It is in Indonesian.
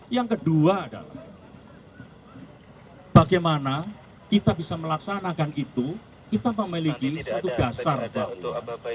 yang kedua adalah bagaimana kita bisa melaksanakan itu kita memiliki satu dasar bahwa